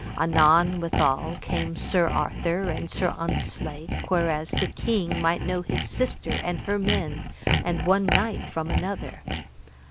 Anon withal came Sir Arthur and Sir Ontzlake whereas the king might know his sister and her men, and one knight from another.